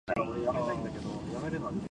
丸められた従業員用のエプロンとか色々